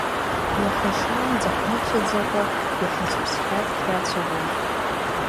Уаха шаанӡа ҳмыцәаӡакәа иаҳцәԥсхьаз ҳрацәажәон.